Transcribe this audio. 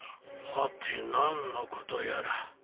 はて何の事やら。